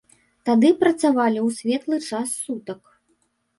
Тады працавалі ў светлы час сутак.